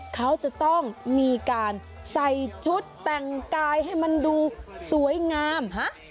เขาจะต้องมีการใส่ชุดแต่งกายให้มันดูสวยงาม